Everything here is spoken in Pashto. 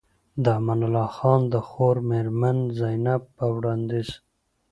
د امان الله خان د خور مېرمن زينب په وړانديز